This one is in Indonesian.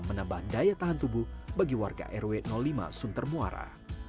menambah daya tahan tubuh bagi warga rw lima sunter muara